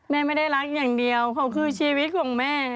แม่ไม่ได้รักอย่างเดียวเขาคือชีวิตของแม่